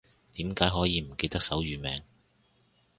點解可以唔記得手語名